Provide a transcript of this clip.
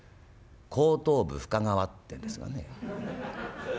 後頭部深川ってんですがね。